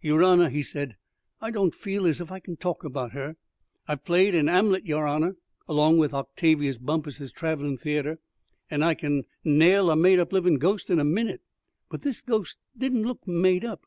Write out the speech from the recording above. "Yer honour," he said, "I don't feel as if I can talk about her. I've played in 'Amlet, yer honour, along with Octavius Bumpus's travellin' theatre, and I can nail a made up livin' ghost in a minnit; but this ghost didn't look made up.